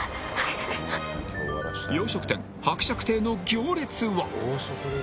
洋食店伯爵邸の行列は？